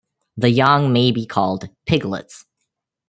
The young may be called 'piglets'.